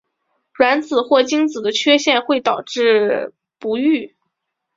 卵子或精子的缺陷会导致不育。